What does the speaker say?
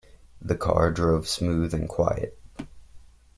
The car drove smooth and quiet.